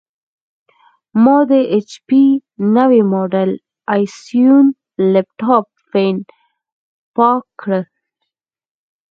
ما د ایچ پي نوي ماډل ائ سیون لېپټاپ فین پاک کړ.